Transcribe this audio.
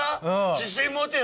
自信持てよ！